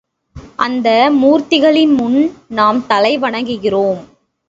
அந்த மூர்த்திகளின் முன் நாம் தலை வணங்குகிறோம்.